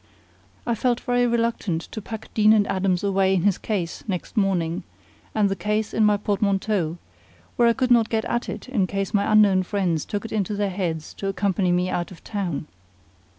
I felt very reluctant to pack Deane and Adams away in his case next morning, and the case in my portmanteau, where I could not get at it in case my unknown friends took it into their heads to accompany me out of town.